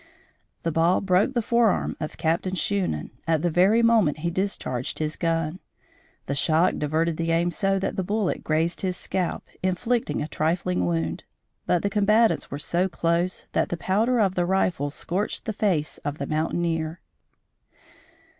The ball broke the forearm of Captain Shunan, at the very moment he discharged his gun. The shock diverted the aim so that the bullet grazed his scalp, inflicting a trifling wound; but the combatants were so close that the powder of the rifle scorched the face of the mountaineer.